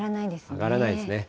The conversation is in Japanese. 上がらないですね。